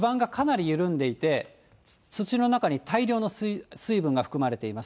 赤い所、これはもう地盤がかなり緩んでいて、土の中に大量の水分が含まれています。